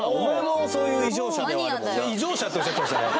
異常者っておっしゃってましたね